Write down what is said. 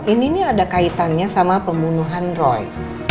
ini ada kaitannya sama pembunuhan roy